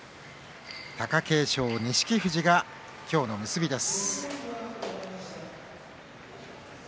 貴景勝、錦富士が今日の結びです。